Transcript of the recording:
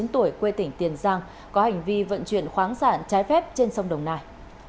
bốn mươi tuổi quê tỉnh tiền giang có hành vi vận chuyển khoáng sản trái phép trên sông đồng nai